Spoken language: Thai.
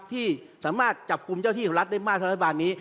ที่สามารถจับกลุ่มเจ้าที่ของรัฐได้มากเท่ารัฐบาลนี้